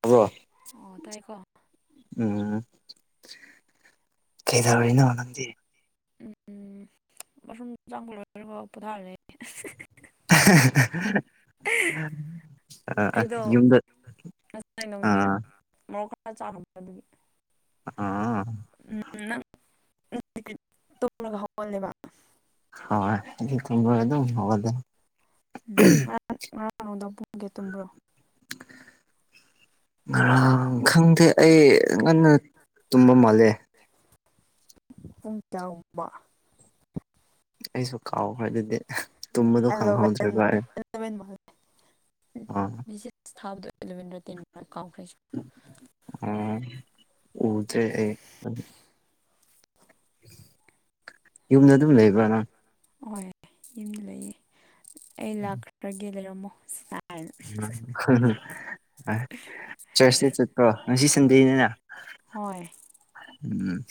hello ꯑꯣ ꯇꯥꯏꯀꯣ ꯎꯝ ꯈꯦꯗꯧꯔꯤꯅꯣ ꯅꯪꯗꯤ ꯎꯝ ꯎꯝ ꯃꯐꯝ ꯆꯥꯛ ꯂꯣꯏꯔꯕꯣ ꯄꯣꯊꯥꯂꯦ ꯑ ꯍ ꯍ ꯑ ꯑꯩꯗꯣ ꯌꯨꯝꯗ ꯑꯥ ꯆꯥ ꯆꯥꯔꯨꯝꯕ ꯑꯗꯨꯒꯤ ꯑꯥ ꯇꯨꯡꯔꯒ ꯍꯧꯒꯂꯦꯕ ꯍꯣꯏ ꯍꯤꯍꯤ ꯊꯨꯡꯒꯣꯏ ꯑꯗꯨꯝ ꯍꯧꯒꯂꯦ ꯎꯝ ꯃꯔꯥꯡ ꯉꯔꯥꯡ ꯅꯨꯡꯗꯥꯡ ꯄꯨꯡꯒꯌꯥ ꯇꯨꯝꯕ꯭ꯔꯣ ꯉꯔꯥꯡ ꯈꯪꯗꯦ ꯑꯩ ꯉꯟꯅ ꯇꯨꯝꯕ ꯃꯥꯜꯂꯦ ꯄꯨꯡ ꯇꯥꯎꯃ ꯑꯩꯁꯨ ꯀꯥꯎꯈꯔꯦ ꯑꯗꯨꯗꯤ ꯇꯨꯝꯕꯗꯣ ꯑꯦꯂꯚꯦꯟ ꯈꯪꯍꯧꯗ꯭ꯔꯦꯕ ꯑꯦ ꯑꯦꯂꯚꯦꯟ ꯃꯥꯜꯂꯦ ꯑ ꯑꯦꯂꯕꯤꯟꯗ꯭ꯔ ꯇꯦꯟ ꯀꯥꯎꯒ꯭ꯔꯦ ꯑꯩꯁꯨ ꯎꯗꯦ ꯑꯩ ꯌꯨꯝꯗ ꯑꯗꯨꯝ ꯂꯩꯕꯔꯥ ꯅꯪ ꯍꯣꯏ ꯌꯨꯝꯗ ꯂꯩꯌꯦ ꯑꯩ ꯂꯥꯛꯈ꯭ꯔꯒꯦ ꯂꯩꯔꯝꯃꯣ ꯆꯔꯁꯗꯦ ꯆꯠꯀ꯭ꯔꯣ ꯉꯁꯤ ꯁꯟꯗꯦꯅꯤꯅ ꯍꯣꯏ ꯎꯝ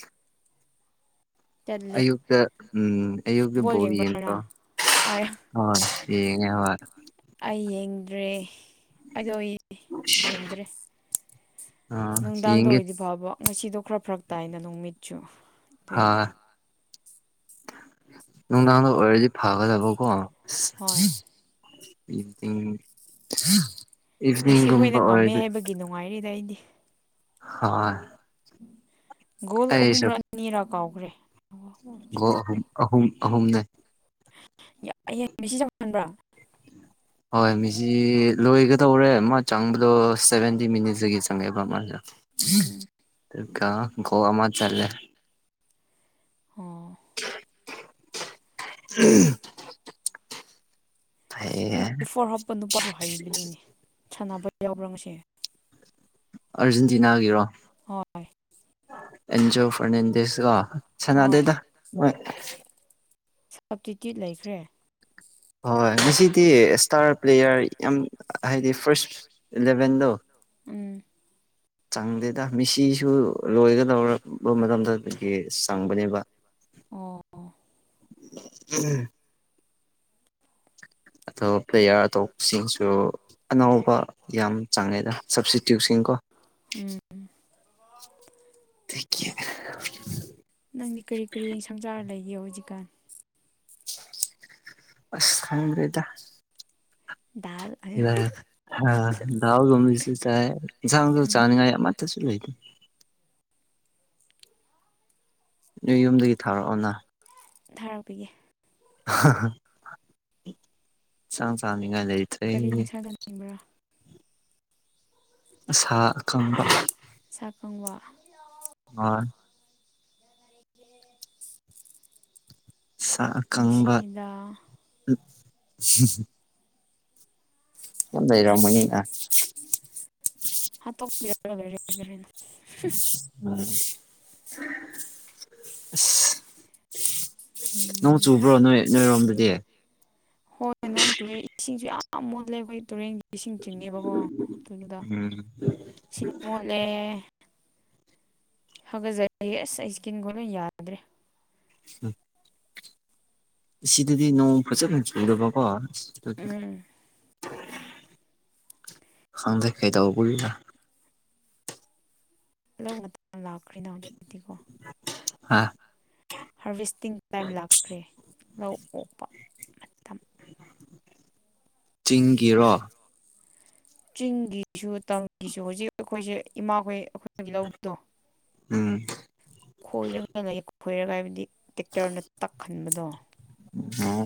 ꯆꯠꯂꯦ ꯑꯌꯨꯛꯇ ꯎꯝ ꯑꯌꯨꯛꯗ ꯕꯣꯜ ꯌꯦꯡꯕ꯭ꯔ ꯌꯦꯡꯗꯔꯣ ꯅꯪ ꯑꯩ ꯍ ꯁꯤꯉ ꯍ ꯑꯩ ꯌꯦꯡꯗ꯭ꯔꯦ ꯑꯩꯗꯣ ꯑꯩ ꯌꯦꯡꯗ꯭ꯔꯦ ꯑꯥ ꯅꯨꯡꯗꯥꯡꯗ ꯌꯦꯡꯒꯦ ꯑꯣꯏꯗꯤ ꯐꯕ ꯉꯁꯤꯗꯣ ꯈꯔ ꯐꯔꯛ ꯇꯥꯏꯅ ꯅꯨꯃꯤꯠꯁꯨ ꯑꯗꯨꯏ ꯅꯨꯡ ꯅꯍꯗ ꯑꯣꯏꯔꯗꯤ ꯐꯒꯗꯕ ꯀꯣ ꯍꯣꯏ ꯏ ꯃꯤꯁꯤ ꯑꯩꯈꯣꯏꯅ ꯉꯝꯃꯦ ꯍꯥꯏꯕꯒꯤ ꯅꯨꯡꯉꯥꯏꯔꯤꯗ ꯑꯩꯗꯤ ꯍꯣꯏ ꯒꯣꯜ ꯑꯩꯁꯨ ꯑꯍꯨꯝꯔꯅꯤꯔꯥ ꯀꯥꯎꯈ꯭ꯔꯦ ꯑꯍꯨꯝ ꯑꯍꯨꯝ ꯑꯍꯨꯝꯅꯦ ꯍꯡ ꯃꯤꯁꯤ ꯆꯥꯎ ꯈꯟꯕ꯭ꯔꯥ ꯍꯣꯏ ꯃꯤꯁꯤ ꯂꯣꯏꯒꯗꯧꯔꯦ ꯃꯥ ꯆꯪꯕꯗꯣ ꯁꯚꯦꯟꯇꯤ ꯃꯤꯅꯤꯠꯁꯇꯒꯤ ꯆꯪꯉꯦꯕ ꯃꯥꯁꯨ ꯎꯝ ꯀ ꯣꯋꯥ ꯃ ꯆꯂ ꯑꯣ ꯎ ꯇ꯭ꯋꯦꯟꯇꯤ ꯐꯣꯔ ꯍꯥꯞꯄ ꯅꯨꯄꯥꯁꯨ ꯍꯩꯕꯅꯤꯅꯦ ꯁꯥꯟꯅꯕ ꯌꯥꯎꯕ꯭ꯔꯥ ꯉꯁꯦ ꯑꯥꯔꯖꯦꯟꯇꯤꯅꯥꯒꯤꯔꯣ ꯑꯦꯟꯖꯤꯣ ꯐꯔꯅꯦꯟꯗꯦꯁꯀ ꯍꯣꯏ ꯁꯥꯟꯅꯗꯩꯗ ꯍꯣꯏ ꯁꯞꯇꯤꯇ꯭ꯌꯨꯠ ꯂꯩꯈ꯭ꯔꯦ ꯍꯣꯏ ꯉꯁꯤꯗꯤ ꯏꯁꯇꯥꯔ ꯄ꯭ꯂꯦꯌꯥꯔ ꯌꯥꯝ ꯍꯥꯏꯗꯤ ꯐꯥꯔꯁ ꯂꯦꯚꯦꯟꯗꯣ ꯎꯝ ꯆꯪꯗꯦꯗ ꯃꯤꯁꯤꯁꯨ ꯂꯣꯏꯒ ꯂꯧꯔꯔꯕ ꯃꯇꯝꯗꯗꯒꯤ ꯆꯪꯕꯅꯦꯕ ꯑꯣ ꯎꯝ ꯑꯇꯣꯞꯄ ꯑꯇꯣꯞꯄꯁꯤꯡꯁꯨ ꯑꯅꯕ ꯌꯥꯝ ꯆꯥꯡꯉꯦꯗ ꯁꯞꯁꯇꯤꯇ꯭ꯌꯨꯠꯁꯤꯡ ꯀꯣ ꯎꯝ ꯊꯦ ꯅꯪꯗꯤ ꯀꯔꯤ ꯀꯔꯤ ꯁꯪꯖꯥꯔ ꯂꯩꯒꯦ ꯍꯧꯖꯤꯛꯀꯥꯟ ꯑꯁ ꯈꯥꯏ ꯔꯦꯗ ꯑ ꯍꯥ ꯗꯥꯥꯎ ꯝꯁꯤ ꯆꯥꯏ ꯁꯥꯡ ꯎꯝ ꯆꯥꯅꯤꯡꯉ ꯃꯥ ꯁ ꯂꯩꯇ ꯅꯣꯏ ꯌꯨꯝꯗꯒꯤ ꯊꯥꯔꯛꯑꯣꯅ ꯊꯥꯔꯛꯄꯒꯦ ꯆꯥꯡ ꯆꯥꯡꯅꯤꯡꯉꯥꯏ ꯂꯩꯇꯦ ꯀꯔꯤ ꯌꯦꯟꯁꯥꯡ ꯆꯥꯅꯤꯡꯕ꯭ꯔꯥ ꯁꯥ ꯑꯀꯪꯕ [unintelligible] ꯍꯣꯏ ꯁꯀꯪꯕ ꯅꯨꯡꯁꯤꯗ ꯅꯗ ꯏꯔꯣꯃꯅꯤꯒ [unintelligible] [unintelligible] ꯅꯣꯡ ꯎꯝ ꯆꯨꯕ꯭ꯔꯣ ꯅꯣꯏ ꯅꯣꯏꯔꯣꯝꯗꯗꯤ ꯍꯣꯏ ꯅꯣꯡ ꯆꯨꯑꯦ ꯏꯁꯤꯡꯁꯨ ꯌꯥꯝ ꯃꯣꯜꯂꯦ ꯑꯩꯈꯣꯏ ꯇꯨꯔꯦꯟ ꯏꯁꯤꯡ ꯆꯤꯡꯉꯦꯕꯀꯣ ꯑꯗꯨꯣꯏꯩꯅꯣꯗ ꯎꯝ ꯏꯁꯤꯡ ꯃꯣꯠꯂꯦ ꯍꯧꯒꯠꯆꯔꯦ ꯌꯦꯁ ꯑꯩ ꯏꯁꯀꯤꯟꯒꯣꯅ ꯌꯥꯗ꯭ꯔꯦ ꯎꯝ ꯁꯤꯗꯗꯤ ꯅꯣꯡ ꯐꯖꯅ ꯍ ꯆꯨꯗ ꯕꯣꯁ ꯎꯝ ꯍꯗꯦꯛ ꯈꯩꯗꯕꯨꯄꯥ ꯂꯧ ꯂꯥꯛꯈ꯭ꯦꯅ ꯍꯧꯖꯤꯛꯀꯤꯤꯀꯣ ꯍꯥ ꯍꯥꯔꯚꯦꯁꯇꯤꯡ ꯇꯥꯏꯝ ꯂꯥꯛꯈ꯭ꯔꯦ ꯂꯧ ꯑꯣꯛꯄ ꯃꯇꯝ ꯆꯤꯡꯒꯤꯔꯣ ꯆꯤꯡꯒꯤꯁꯨ ꯇꯝꯒꯤꯁꯨ ꯍꯧꯖꯤꯛ ꯑꯩꯈꯣꯏꯁꯦ ꯏꯃꯥꯈꯣꯏ ꯑꯩ ꯂꯧꯗꯨꯗꯣ ꯎꯝ ꯈꯣꯏꯔꯒ ꯈꯣꯏꯔꯒ ꯍꯥꯏꯕꯗꯤ ꯇꯦꯛꯇꯔꯅ ꯇꯛꯍꯟꯕꯗꯣ ꯑ‌ꯣ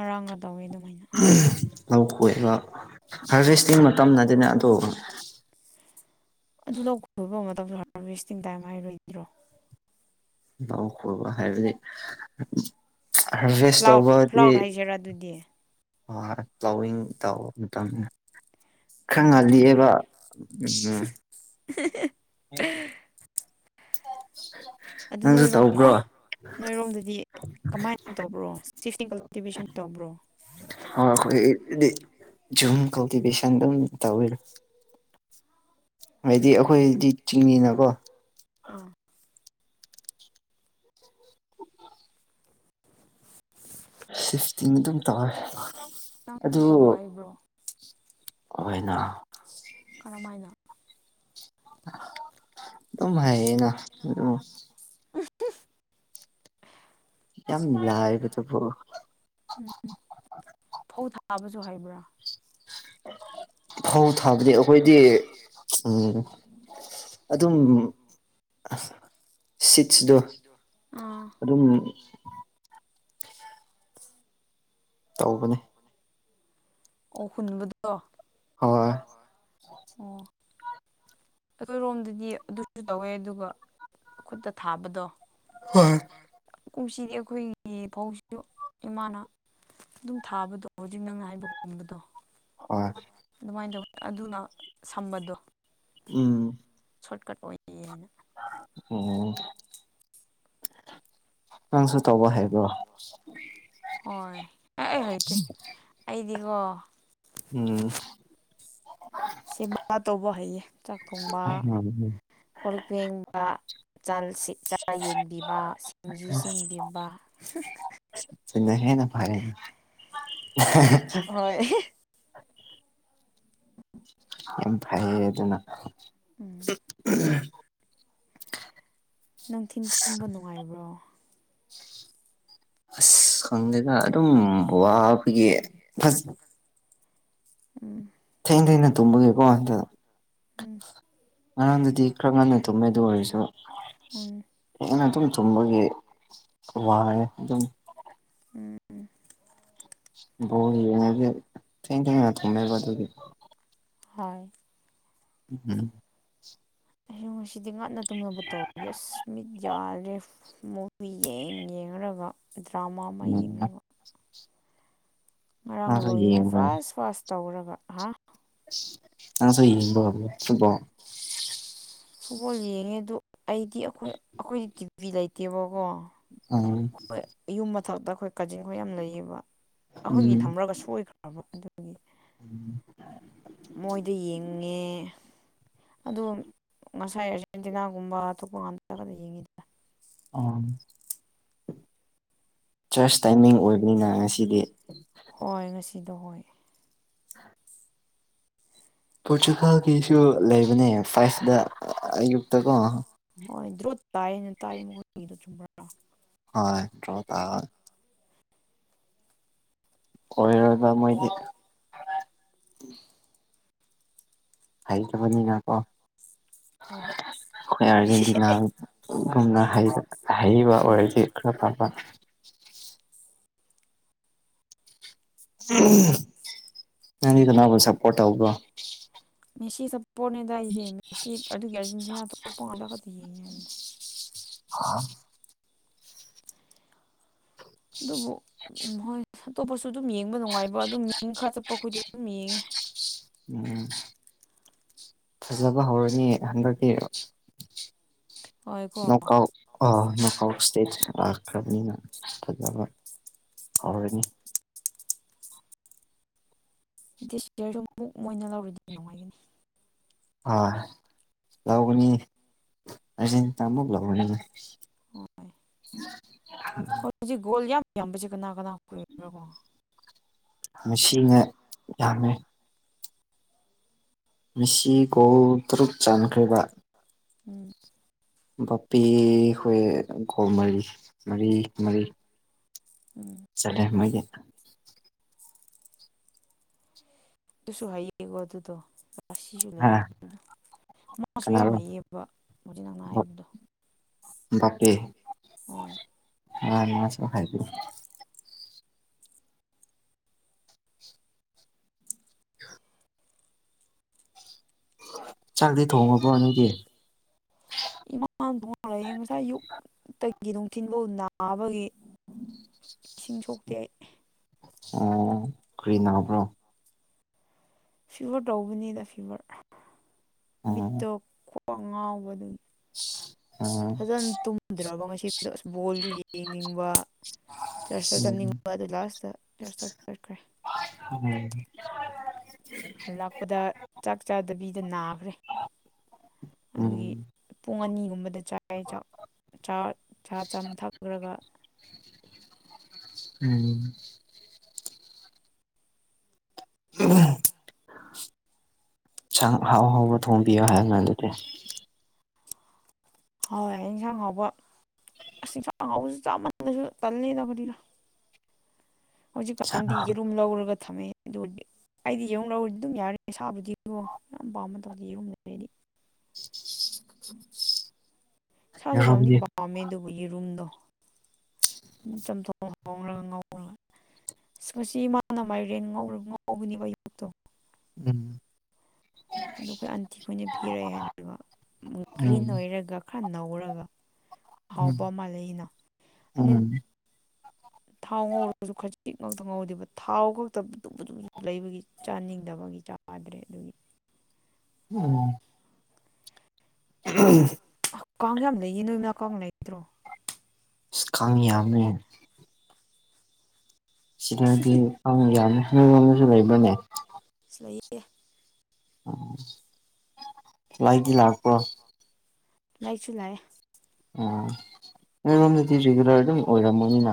ꯑꯔꯥꯡꯅ ꯇꯧꯋꯤꯅꯣ ꯂꯧ ꯀꯣꯏꯕ ꯎꯝ ꯍꯥꯔꯚꯦꯁꯇꯤꯡ ꯃꯇꯝꯗꯗꯤꯅꯦ ꯑꯗꯨ ꯑꯗꯨ ꯂꯧ ꯈꯣꯏꯕ ꯃꯇꯝꯗ ꯍꯥꯔꯚꯦꯁꯇꯤꯡ ꯇꯥꯏꯝ ꯍꯥꯏꯔꯣꯏꯗ꯭ꯔꯣ ꯂꯎ ꯈꯨꯕ ꯍꯥꯏꯕ ꯍꯥꯔꯚꯤꯁꯁ ꯐ꯭ꯂꯥꯎꯠ ꯇꯧꯕꯗꯤ ꯐ꯭ꯂꯥꯎꯠ ꯍꯥꯏꯁꯤꯔꯥ ꯑꯗꯨꯗꯤ ꯍ ꯇ ꯇ ꯈꯔ ꯆꯨꯝꯈ꯭ꯔꯦ ꯆꯨꯝꯈ꯭ꯔꯦ ꯉꯜꯂꯤꯑꯦꯕ ꯎꯝ [unintelligible] [unintelligible] ꯑꯗꯨ ꯅꯪꯁꯨ ꯅꯣꯏꯔꯣꯀ‌ꯣ ꯇꯧꯕ꯭ꯔꯣ ꯅꯣꯏꯔꯣꯝꯗꯗꯤ ꯀꯃꯥꯏꯅ ꯇꯧꯕ꯭ꯔꯣ ꯁꯤꯇ ꯀꯜꯇꯤꯚꯁꯟ ꯇꯧꯕ꯭ꯔꯣ ꯑ ꯑꯩꯈꯣꯏ ꯖꯨꯨꯝ ꯀꯧꯗꯤꯕꯤꯁꯥꯟꯗ ꯇꯎꯔ ꯍꯥꯏꯗꯤ ꯑꯩꯈꯣꯏꯗꯤ ꯆꯤꯡꯅꯤꯅꯀꯣ ꯑꯥ ꯁꯤꯁꯇꯤꯟ ꯑꯗꯨꯝ ꯇꯧꯋꯦ ꯅꯪ ꯑꯗꯨ ꯇꯧꯕ ꯍꯩꯕ꯭ꯔꯣ ꯑꯣꯏꯅ ꯀꯔꯝꯍꯥꯏꯅ ꯑꯗꯨꯝ ꯍꯥꯏꯅ ꯎꯝ ꯌꯥꯝ ꯂꯥꯏꯕꯗꯨꯕꯨ ꯎꯝ ꯐꯧ ꯊꯥꯕꯁꯨ ꯍꯥꯏꯕ꯭ꯔꯥ ꯍꯣ ꯊꯥꯕꯅꯤ ꯑꯩꯈꯣꯏꯗꯤ ꯎꯝ ꯑꯗꯨꯝ ꯑ ꯁꯤꯠꯁꯗꯣ ꯕꯤꯠꯁꯤꯗꯣ ꯑꯥ ꯑꯗꯨꯝ ꯇꯧꯕꯅꯤ ꯇꯧꯕꯅꯦ ꯑꯣ ꯍꯨꯟꯕꯗꯣ ꯍꯣꯏ ꯑꯣ ꯑꯣꯏꯔꯣꯝꯗꯗꯤ ꯑꯗꯨꯁꯨ ꯇꯧꯋꯦ ꯑꯗꯨꯒ ꯈꯨꯠꯇ ꯊꯥꯕꯗꯣ ꯍꯣꯏ ꯀꯨꯝꯁꯤꯗꯤ ꯑꯩꯈꯣꯏꯒꯤ ꯐꯥꯎꯁꯨ ꯏꯃꯥꯅ ꯑꯗꯨꯝ ꯊꯥꯕꯗꯣ ꯍꯧꯖꯤꯛ ꯅꯪꯅ ꯍꯥꯏꯕ ꯈꯨꯝꯕꯗꯣ ꯍꯣꯏ ꯀꯃꯥꯏꯅ ꯇꯧꯒꯅꯤ ꯑꯗꯨꯅ ꯁꯝꯕꯗꯣ ꯎꯝ ꯁꯣꯔꯠꯀꯠ ꯑꯣꯏꯌꯦꯑꯅ ꯎꯝ ꯅꯪꯁꯨ ꯇꯧꯕ ꯍꯩꯕ꯭ꯔꯣ ꯍꯣꯏ ꯑꯦ ꯍꯥꯏꯗꯤꯦ ꯑꯩꯗꯤ [unintelligible] ꯎꯝ ꯁꯤꯃ ꯇꯧꯕ ꯍꯩꯌꯦ ꯆꯥꯛ ꯊꯣꯡꯕ ꯄꯦꯡꯕ ꯆꯥ ꯌꯦꯟꯕꯤꯕ ꯁꯤꯡꯖꯨ ꯁꯦꯝꯟꯕꯤꯕ ꯁꯤꯅ ꯍꯦꯟꯅ ꯐꯩꯌꯦꯅ [unintelligible] ꯑ ꯐꯥꯏꯌꯦ ꯑꯗꯨꯅ ꯎꯝ [unintelligible] ꯅꯨꯡꯊꯤꯟ ꯇꯨꯝꯕ ꯅꯨꯡꯉꯥꯏꯕ꯭ꯔꯣ [unintelligible] ꯑꯁ ꯈꯪꯗꯦꯗ ꯑꯗꯨꯝ ꯋꯥ ꯑꯩꯈꯣꯏꯒꯤ ꯐꯖ ꯎꯝ ꯏ ꯏꯅ ꯇꯨꯝꯃꯒꯤꯦꯕꯣ ꯎꯝ ꯉꯔꯥꯡꯗꯗꯤ ꯈꯔ ꯉꯟꯅ ꯇꯨꯝꯃꯦ ꯑꯗꯨ ꯎꯝ ꯑꯣꯏꯔꯁꯨꯨꯝ ꯇꯨꯝꯕꯒꯤ ꯋꯥꯅꯤ ꯑꯗꯨꯝ ꯎꯝ ꯕꯣꯜ ꯌꯦꯉꯗꯤ ꯊꯦꯡ ꯊ ꯊꯃꯦ ꯍꯣꯏ ꯎꯝ ꯑꯩ ꯉꯁꯤꯗꯤ ꯉꯥꯛꯟꯅ ꯇꯨꯝꯅꯕ ꯇꯧ ꯌꯦꯁ ꯃꯤꯠ ꯌꯥꯔꯦ ꯃꯨꯚꯤ ꯌꯦꯡꯂꯡꯒ ꯗ꯭ꯔꯃꯥ ꯑꯃ ꯎꯝ ꯌꯦꯡꯂꯡꯒ ꯉꯔꯥꯡ ꯅꯪꯁꯨ ꯂꯣꯏꯉꯩ ꯌꯦꯡꯕ꯭ꯔꯥ ꯐꯥꯁ ꯐꯥꯁ ꯇꯧꯔꯒ ꯍꯥ ꯑ ꯁꯩꯕ ꯀ ꯐꯨꯠꯕꯣꯜ ꯌꯦꯡꯉꯦ ꯑꯗꯨꯗ ꯑꯩꯗꯤ ꯑꯩꯈꯣꯏ ꯑꯩꯈꯣꯏꯗꯤ ꯇꯤꯚꯤ ꯂꯩꯇꯦꯕꯀꯣ ꯑ ꯑꯩꯈꯣꯏ ꯌꯨꯝ ꯃꯊꯛꯇ ꯑꯩꯈꯣꯏ ꯀꯥꯖꯤꯡꯈꯣꯏ ꯌꯥꯝ ꯂꯩꯌꯦꯕ ꯎꯝ ꯑꯩꯈꯣꯏꯒꯤ ꯊꯝꯃꯒ ꯁꯣꯏꯈ꯭ꯔꯕ ꯑꯗꯨ ꯃꯣꯏꯗ ꯌꯦꯡꯉꯦ ꯑꯗꯣ ꯉꯁꯥꯏ ꯑꯥꯔꯖꯦꯟꯇꯤꯅꯥꯒꯨꯝꯕ ꯑꯇꯣꯞꯄ ꯉꯇ ꯌꯦꯡꯉꯤꯗ ꯑꯥ ꯆꯔꯁ ꯇꯥꯏꯃꯤꯡ ꯑꯣꯏꯕꯅꯤꯅ ꯉꯁꯤꯗꯤ ꯍꯣꯏ ꯉꯁꯤꯗꯣ ꯍꯣꯏ ꯄꯣꯔꯆꯨꯒꯥꯜꯒꯤꯁꯨ ꯂꯩꯕꯅꯦ ꯐꯥꯏꯁꯇ ꯑꯌꯨꯛꯇꯀꯣ ꯍꯣꯏ ꯗ꯭ꯔꯣ ꯇꯥꯏꯅ ꯇꯥꯏ ꯃꯈꯣꯏ ꯆ꯭ꯔ ꯍ ꯇ꯭ꯔꯣ ꯑꯣꯏꯔꯕ ꯃꯣꯏꯗꯤ ꯍꯥꯏ ꯆꯕꯅꯤꯅꯀꯣ ꯍ ꯑꯩꯈꯣꯏ ꯑꯥꯔꯖꯦꯟꯇꯤꯅꯥꯒꯨꯝꯅꯕ ꯍꯩꯕ ꯍꯣꯏ ꯑꯣꯏꯔꯗꯤ ꯈꯔ ꯄꯕ [unintelligible] ꯑꯗꯨꯅꯤ ꯅꯪꯅꯤꯗꯅꯥꯕꯨ ꯁꯄꯣꯔꯠ ꯇꯕ꯭ꯔꯣ ꯃꯦꯁꯤ ꯁꯄꯣꯅꯦꯗꯏ ꯃꯁꯤ ꯑꯄ ꯂ ꯑꯥ ꯑꯗꯨꯕꯨ ꯍꯣꯏ ꯑꯇꯣꯞꯄꯁꯨ ꯑꯗꯨꯝ ꯌꯦꯡꯕ ꯅꯨꯡꯉꯥꯏꯕ ꯑꯗꯨꯝ ꯃꯤ ꯈꯔ ꯆꯠꯄ ꯑꯩꯈꯣꯏꯗꯤ ꯑꯗꯨꯝ ꯌꯦꯡꯉꯦ [unintelligible] ꯎꯝ ꯐꯖꯕ ꯍꯧꯔꯅꯤ ꯍꯟꯗꯛꯇꯤ ꯍꯣꯏ ꯀꯣ ꯅ ꯑ ꯅꯁꯇꯦ ꯂꯥꯛꯈ꯭ꯔꯕꯅꯤꯅ ꯐꯖꯕ ꯍꯧꯔꯅꯤ ꯗꯤꯁꯄ꯭ꯂꯦꯗꯨ ꯑꯃꯨꯛ ꯃꯣꯏꯅ ꯂꯧꯔꯗꯤ ꯅꯨꯡꯉꯥꯏꯒꯅꯤ ꯑ ꯌꯥꯎꯒꯅꯤ ꯑꯁ ꯇꯃ ꯂꯅꯤꯅ ꯍꯖꯤ ꯣꯜꯖ ꯑꯝꯝꯕ ꯆ ꯀꯅꯥ ꯀꯅꯥ ꯃꯁꯤꯅꯦ ꯌꯥꯝꯃꯦ ꯃꯤꯁꯤ ꯀꯣ ꯇꯔꯨꯛ ꯆꯥꯟꯈ꯭ꯔꯕ ꯎꯝ ꯕꯄꯤ ꯍꯣꯏꯈꯣ ꯃꯔꯤ ꯃꯔꯤ ꯃꯔꯤ ꯎꯝ ꯆꯂꯦ ꯃꯒꯤ ꯑꯗꯨꯨꯁꯨ ꯍꯥꯏꯌꯦꯒꯣ ꯑꯗꯨꯗ ꯑꯁꯤꯁꯤꯁꯨ ꯍꯥ ꯂꯩꯌꯦꯗꯅ ꯃꯥꯁꯨ ꯌꯥꯝ ꯀꯅꯥꯔꯣ ꯍꯩꯌꯦꯕ ꯃ ꯅꯪꯅ ꯍꯥꯏꯕꯗꯣ ꯕꯥꯀꯦ ꯍ ꯍ ꯅꯁꯨ ꯍꯥꯏꯥꯏꯗ ꯆꯥꯛꯗꯤ ꯊꯣꯡꯉꯕ꯭ꯔꯣ ꯅꯣꯏꯒꯤ ꯏꯃꯥꯟ ꯊꯣꯛꯣꯡꯌꯦꯡ ꯉꯁꯥꯏ ꯑꯌꯨꯛ ꯇꯒꯤ ꯅꯨꯡꯊꯤꯤꯟ ꯐ ꯅꯥꯕꯒꯤ ꯏꯁꯤꯡ ꯁꯣꯛꯇꯦ ꯑꯩ ꯑꯣ ꯀꯔꯤ ꯅꯥꯎꯕ꯭ꯔꯣ ꯐꯤꯚꯔ ꯇꯧꯕꯅꯤꯗ ꯐꯤꯚꯔ ꯑꯣ ꯃꯤꯠꯇꯣ ꯈꯣꯛ ꯉꯥꯎꯕꯗꯨ ꯑꯣ ꯐꯖꯅ ꯇꯨꯝꯗ꯭ꯔꯕ ꯉ ꯑꯗ ꯕꯣꯜꯁꯨ ꯌꯦꯡꯅꯤꯡꯕ ꯆꯔꯆ ꯆꯠꯅꯤꯡꯕ ꯑꯗꯨ ꯂꯥꯁꯇ ꯆꯔ ꯆꯠꯈ꯭ꯔꯦ ꯎꯝ ꯍꯜꯂꯛꯄꯗ ꯆꯥꯛ ꯆꯥꯗꯕꯤꯗ ꯅꯥꯈ꯭ꯔꯦ ꯎꯝ ꯑꯗꯨꯒꯤ ꯎꯝ ꯄꯨꯡ ꯑꯅꯤ ꯨꯝꯕꯗ ꯆ ꯆ ꯆ ꯊꯛꯈ꯭ꯔꯒ ꯎꯝ ꯑꯝ ꯁꯪ ꯍꯥꯎ ꯍꯥꯎꯕ ꯊꯣꯡꯕꯤꯌꯨ ꯍꯥꯏꯔꯅ ꯑꯗꯨꯗꯤ ꯍꯣꯏ ꯏꯟꯁꯥꯡ ꯍꯥꯎꯕ ꯑꯁꯤꯁꯥꯡꯉꯥꯎꯁꯨ ꯆꯥꯃꯜꯂꯁꯨ ꯇꯜꯂꯗꯕꯗꯤꯔ ꯍꯧꯖꯤꯛꯀꯥꯟꯗꯤꯒꯤ ꯑꯗꯨꯨꯝ ꯂꯧꯔꯒ ꯊꯝꯃꯦ ꯑꯗꯨ ꯑꯩꯗꯤ ꯌꯦꯔꯧ ꯂꯧꯔꯗꯤ ꯑꯗꯨꯝ ꯌꯥꯔ ꯁꯥꯕꯨꯗꯤꯀꯣ ꯌꯥꯝ ꯄꯥꯝꯕ ꯇꯧꯗꯦ ꯌꯦꯔꯨꯝꯗꯦ ꯑꯩꯗꯤ [unintelligible] ꯁꯥꯁꯨ ꯄꯥꯝꯗꯤ ꯌꯦꯔꯨꯝꯗꯤ ꯄꯥꯝꯃꯦ ꯑꯗꯨꯕꯨꯒꯤ ꯔꯨꯝꯗꯣ ꯆ ꯆꯉꯂ ꯁꯃꯁꯤ ꯏꯃꯥꯅ ꯃꯥꯏꯔꯦꯟ ꯉꯒꯅꯤꯕ ꯑꯌꯨꯛꯇꯣ ꯎꯝ ꯑꯣ ꯑꯩꯈꯣꯏ ꯑꯟꯇꯤꯈꯣꯏꯅ ꯄꯤꯔꯛꯑꯦ ꯍꯥꯏꯕ ꯒ꯭ꯔꯤꯟ ꯎꯝ ꯑꯣꯏꯔꯒ ꯈꯔ ꯅꯧꯔꯒ ꯎꯝ ꯍꯥꯎꯕ ꯃꯥꯂꯩꯅ ꯎꯝ ꯊꯥꯎ ꯉꯧꯔꯒꯁꯨ ꯈꯖꯤꯛ ꯉꯛꯇ ꯉꯧꯗꯦꯕ ꯊꯥꯎ ꯈꯛꯇ ꯑꯗꯨꯝ ꯑꯗꯨ ꯂꯩꯕꯒꯤ ꯆꯥꯅꯤꯡꯗꯕ ꯒꯤ ꯆꯥꯗ꯭ꯔꯦ ꯑꯗꯨꯒꯤ ꯎ ꯑ ꯀꯥꯡ ꯌꯥꯝ ꯂꯩꯌꯦ ꯅꯣꯏ ꯃꯅꯥ ꯀꯥꯡ ꯂꯩꯗ꯭ꯔꯣ ꯁ ꯀꯝꯌꯥꯅ ꯁꯤꯗꯗꯤ ꯌꯥꯝ ꯍ ꯑꯃꯁꯨ ꯂꯩꯕꯅꯦ ꯂꯩꯌꯦ ꯎ ꯂꯥꯏꯗꯤ ꯂꯥꯛꯄ꯭ꯔꯣ ꯂꯥꯛꯆꯨ ꯂ ꯎꯝꯝꯗꯤ ꯔꯤꯒꯨꯂꯔ ꯑꯗꯨꯝ ꯑꯣꯏꯔꯝꯃꯅꯤꯅ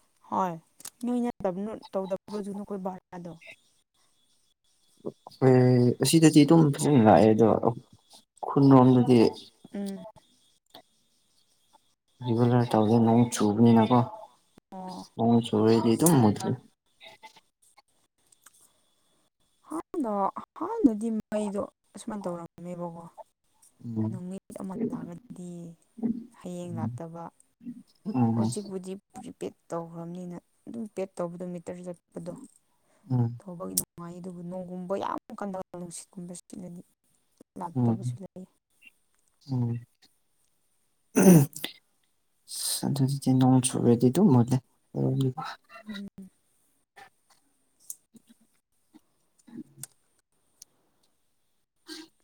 ꯍꯣꯏꯅꯗ ꯍꯣꯏ ꯑꯁꯤꯗꯗꯤ ꯑꯗꯨꯝ ꯐꯖꯅ ꯂꯥꯛꯑꯦ ꯑꯗꯣ ꯈꯨꯟꯔꯣꯝꯗꯗꯤ ꯎꯝ ꯔꯤꯒꯨꯂꯔ ꯇꯧꯖ ꯅꯛ ꯁꯨꯕꯅꯤꯅꯀꯣ ꯑꯣ ꯅ ꯁꯨꯔꯦꯗꯤ ꯇꯃꯗ ꯍꯥꯟꯅ ꯍꯥꯟꯅꯗꯤ ꯃꯩꯗꯣ ꯑꯁꯨꯃꯥꯏꯅ ꯇꯧꯔꯝꯃꯦꯕꯀꯣ ꯎꯝ ꯅꯨꯃꯤꯠ ꯑꯃ ꯂꯥꯡꯉꯒꯗꯤ ꯍꯌꯦꯡ ꯂꯥꯛꯇꯕ ꯎꯝ ꯍꯧꯖꯤꯛꯄꯨꯗꯤ ꯄ꯭ꯔꯤꯄꯦꯗ ꯇꯧꯈ꯭ꯔꯕꯅꯤꯅ ꯑꯗꯨꯝ ꯄꯦꯛꯗ ꯇꯧꯕꯗꯨ ꯍꯛꯇꯔ ꯆꯠꯄꯗꯣ ꯎꯝ ꯊꯧꯕꯒꯤꯗ ꯅꯨꯡꯉꯥꯏ ꯑꯗꯨꯒ ꯅꯣꯡꯒꯨꯝꯕ ꯌꯥꯝ ꯀꯟꯗ ꯅꯨꯡꯁꯤꯠꯀꯨꯝꯕ ꯁꯤꯠꯂꯅꯤ ꯎꯝ ꯎꯝ ꯑꯗꯨ ꯑꯗꯨꯗꯤ ꯅꯣꯡ ꯁꯦꯗꯤ ꯑꯗꯨ ꯎꯝ